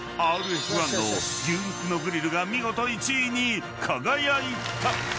［「ＲＦ１」の牛肉のグリルが見事１位に輝いた］